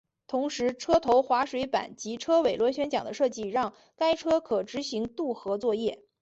同时车头滑水板及车尾螺旋桨的设计让该车可执行渡河作业。